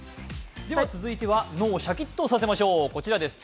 続いては、脳をシャキッとさせましょう。